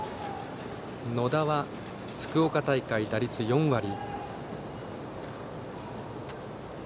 野田は福岡大会、打率４割。